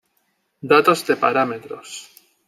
Datos de parámetros